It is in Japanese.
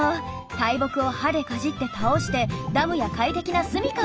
大木を歯でかじって倒してダムや快適な住みかを作るのよ。